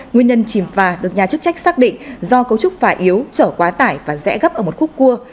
nguyên nhân chìm phà được nhà chức trách xác định do cấu trúc phà yếu trở quá tải và rẽ gấp ở một khúc cua